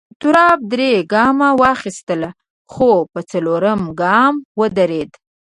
تواب درې گامه واخیستل خو په څلورم گام ودرېد.